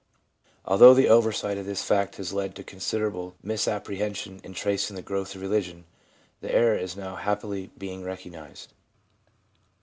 Although the 4 02 THE PSYCHOLOGY OF RELIGION oversight of this fact has led to considerable misappre hension in tracing the growth of religion, the error is now happily being recognised.